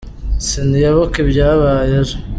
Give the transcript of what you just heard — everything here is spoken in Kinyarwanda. Sinibuka ibyabaye ejo.